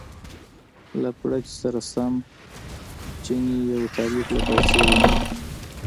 له بړچ سره سم چیني یو طالب له پایڅې ونیوه.